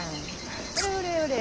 ほれほれほれ。